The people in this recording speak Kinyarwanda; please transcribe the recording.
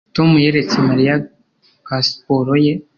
Tom yeretse Mariya pasiporo ye